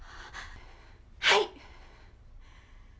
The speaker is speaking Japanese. はい！